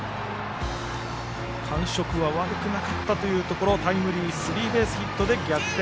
感触は悪くなかったというところをタイムリースリーベースヒットで逆転。